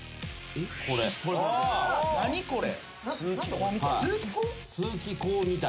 何これ？